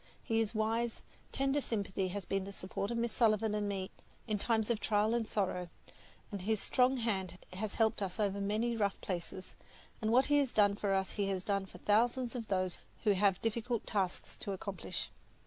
His wise, tender sympathy has been the support of Miss Sullivan and me in times of trial and sorrow, and his strong hand has helped us over many rough places; and what he has done for us he has done for thousands of those who have difficult tasks to accomplish.